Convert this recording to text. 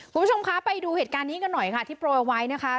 คุณผู้ชมคะไปดูเหตุการณ์นี้กันหน่อยค่ะที่โปรยเอาไว้นะคะ